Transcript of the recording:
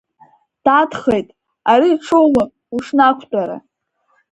Дадхеит, ари ҽума, ушнақәтәара?